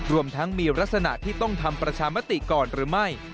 รวมทั้งมีลักษณะที่ต้องทำประชามติก่อนหรือไม่